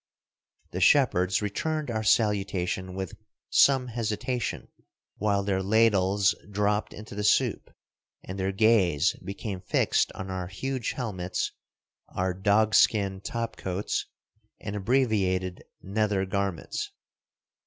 The shepherds returned our salutation with some hesitation, while their ladles dropped into the soup, and their gaze became fixed on our huge helmets, our dogskin top coats, and abbreviated nether garments.